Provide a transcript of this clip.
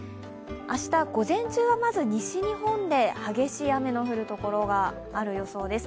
明日、午前中はまず西日本で激しい雨の降る所がある予想です。